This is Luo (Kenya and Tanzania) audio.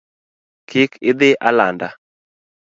Kik idhi alanda